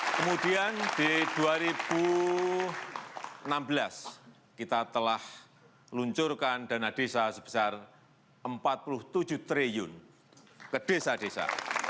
kemudian di dua ribu enam belas kita telah luncurkan dana desa sebesar rp empat puluh tujuh triliun ke desa desa